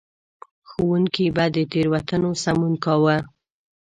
ښوونکي به د تېروتنو سمون کاوه.